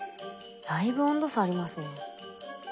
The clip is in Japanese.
だいぶ温度差ありますね。